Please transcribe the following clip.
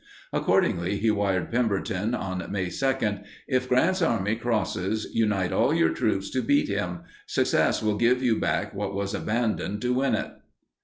Accordingly, he wired Pemberton on May 2 "If Grant's army crosses, unite all your troops to beat him; success will give you back what was abandoned to win it."